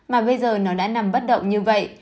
mà bây giờ nó đã nằm bất động như vậy